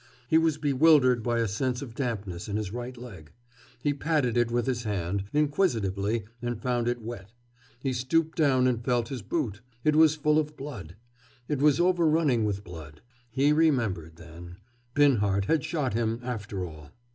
He was bewildered by a sense of dampness in his right leg. He patted it with his hand, inquisitively, and found it wet. He stooped down and felt his boot. It was full of blood. It was overrunning with blood. He remembered then. Binhart had shot him, after all.